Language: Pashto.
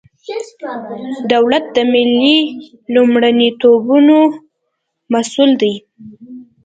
دولت د ملي لومړیتوبونو مسئول دی.